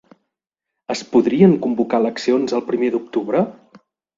Es podrien convocar eleccions el primer d’octubre?